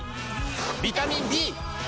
ビタミン Ｂ！